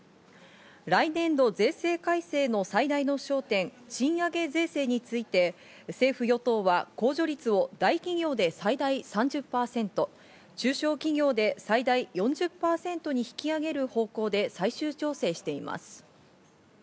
来年度、税制改正の最大の焦点、賃上げ税制について、政府・与党は控除率を大企業で最大３０％、中小企業で最大４０％に引き上げる方向で最終調整しています。